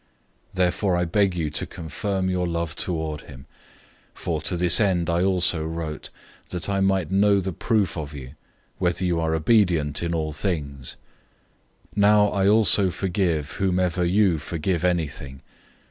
002:008 Therefore I beg you to confirm your love toward him. 002:009 For to this end I also wrote, that I might know the proof of you, whether you are obedient in all things. 002:010 Now I also forgive whomever you forgive anything.